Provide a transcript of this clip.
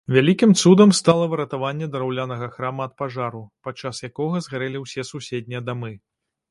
Вялікім цудам стала выратаванне драўлянага храма ад пажару, падчас якога згарэлі ўсе суседнія дамы.